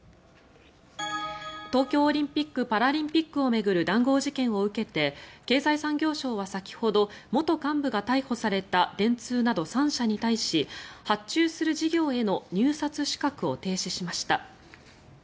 東京オリンピック・パラリンピックを巡る談合事件を受けて経済産業省は先ほど元幹部が逮捕された電通など３社に対し発注する事業への入札資格を停止しました。